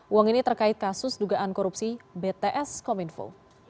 uang ini terkait kasus dugaan korupsi bts kominfo